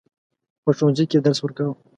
په ښوونځي کې درس ورکاوه.